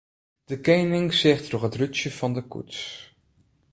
De kening seach troch it rútsje fan de koets.